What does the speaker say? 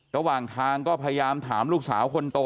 ระหว่างทางก็พยายามถามลูกสาวคนโต